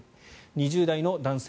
２０代の男性